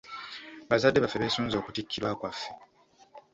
Bazadde baffe beesunze okutikkirwa kwaffe.